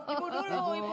ibu dulu ibu dulu